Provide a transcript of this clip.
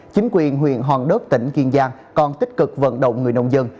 chính quyền huyện hòn đất tỉnh kiên giang còn tích cực vận động người nông dân